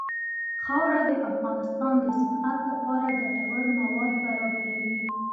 خاوره د افغانستان د صنعت لپاره ګټور مواد برابروي.